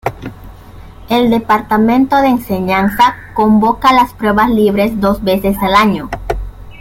El Departamento de Enseñanza convoca las pruebas libres dos veces al año.